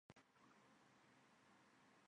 三国志魏书东夷倭人传有记述。